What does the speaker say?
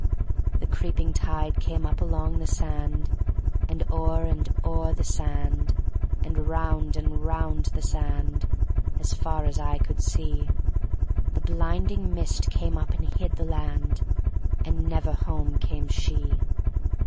The creeping tide came up along the sand. And o'er and o'er the sand. And round and round the sand, As far as eye could see; The blinding mist came up and hid the land — And never home came she.